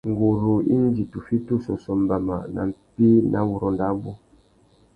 Nguru indi tu fiti ussôssô mbama nà mpí nà wurrôndô abú.